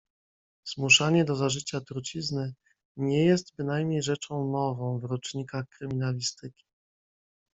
"Zmuszanie do zażycia trucizny, nie jest bynajmniej rzeczą nową w rocznikach kryminalistyki."